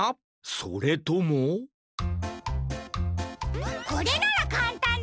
それともこれならかんたんですよ！